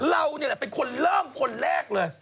เรานี่แหละเป็นคนเริ่มคนแรกเลย